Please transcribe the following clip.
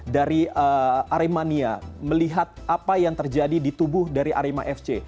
dari aremania melihat apa yang terjadi di tubuh dari arema fc